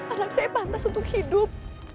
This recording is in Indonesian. anak saya pantas untuk hidup